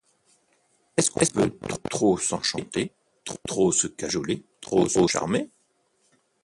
Est-ce qu'on peut trop s'enchanter, trop se cajoler, trop se charmer?